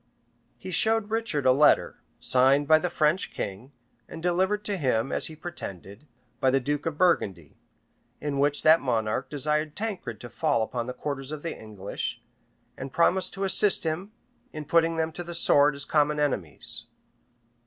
{1191.} He showed Richard a letter, signed by the French king, and delivered to him, as he pretended, by the duke of Burgundy; in which that monarch desired Tancred to fall upon the quarters of the English, and promised to assist him in putting them to the sword as common enemies.